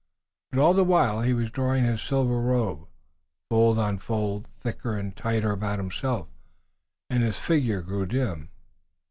But, all the while he was drawing his silver robe, fold on fold, thicker and tighter about himself, and his figure grew dim.